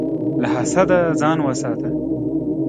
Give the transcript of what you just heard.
له حسده ځان وساته.